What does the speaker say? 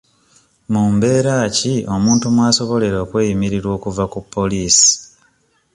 Mu mbeera ki omuntu mwasobolera okweyimirirwa okuva ku Poliisi?